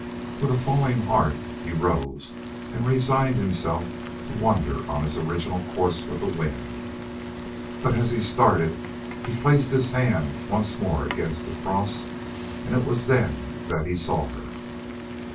With a falling heart he rose and resigned himself to wander on his original course with the wind, but as he started he placed his hand once more against the cross, and it was then that he saw her.